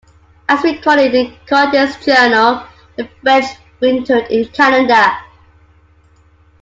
As recorded in Cartier's journal, the French wintered in Canada.